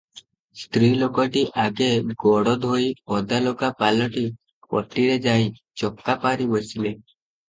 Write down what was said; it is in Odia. ସ୍ତ୍ରୀ ଲୋକଟି ଆଗେ ଗୋଡ଼ଧୋଇ ଓଦାଲୁଗା ପାଲଟି ପଟିରେ ଯାଇ ଚକାପାରି ବସିଲେ ।